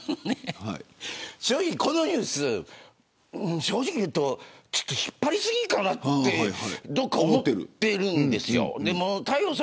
正直、このニュース引っ張り過ぎかなってどっか思ってるんですよ。